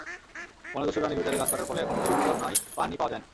বনদস্যুরা নির্বিচারে গাছ কাটার ফলে এখন ঝিরি-ঝরনায় পানি পাওয়া যায় না।